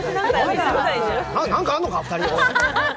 何かあんのか２人。